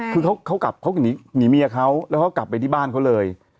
คือเขากลับเขาหนีเมียเขาแล้วเขากลับไปที่บ้านเขาเลย